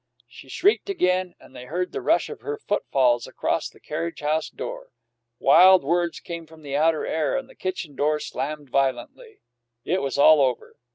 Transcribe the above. She shrieked again, and they heard the rush of her footfalls across the carriage house floor. Wild words came from the outer air, and the kitchen door slammed violently. It was all over.